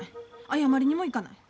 謝りにも行かない。